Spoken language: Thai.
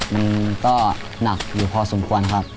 มันก็หนักอยู่พอสมควรครับ